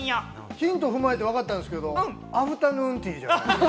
ヒントを踏まえてわかったんですけれども、アフタヌーンティーじゃないですか？